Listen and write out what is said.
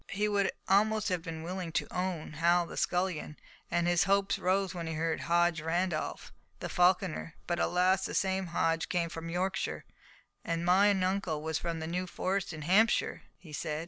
He would almost have been willing to own Hal the scullion, and his hopes rose when he heard of Hodge Randolph, the falconer, but alas, that same Hodge came from Yorkshire. "And mine uncle was from the New Forest in Hampshire," he said.